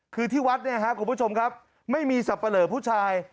คือที่วัดเนี่ยครับคุณผู้ชมครับไม่มีสับปะเหลอผู้ชาย